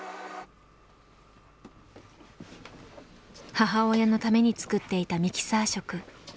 母親のために作っていたミキサー食。